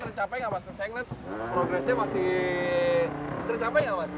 terseang net progresnya masih tercapai gak mas